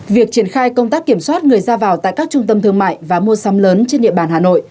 việc triển khai công tác kiểm soát người ra vào tại các trung tâm thương mại và mua sắm lớn trên địa bàn hà nội